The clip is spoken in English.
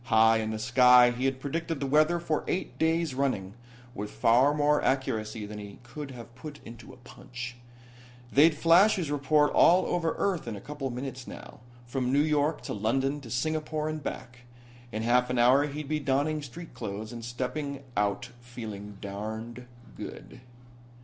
High in the sky he had predicted the weather for eight days running, with far more accuracy than he could have put into a punch. They'd flash his report all over Earth in a couple of minutes now. From New York to London to Singapore and back. In half an hour he'd be donning street clothes and stepping out feeling darned good.